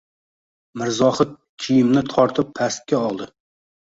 Mirzohid kiyimni tortib pastga oldi